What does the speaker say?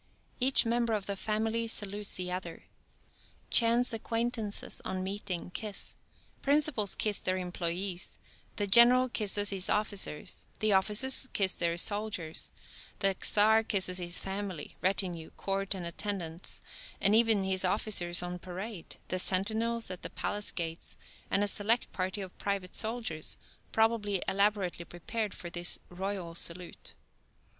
Each member of the family salutes the other; chance acquaintances on meeting kiss; principals kiss their employés; the General kisses his officers; the officers kiss their soldiers; the Czar kisses his family, retinue, court and attendants, and even his officers on parade, the sentinels at the palace gates, and a select party of private soldiers, probably elaborately prepared for this "royal salute."